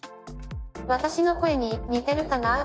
「私の声に似てるかな？」。